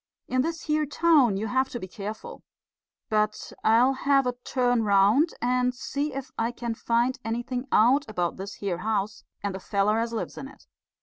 In this here town you have to be careful. But I'll have a turn round and see if I can find anything out about this here house and the feller as lives in it."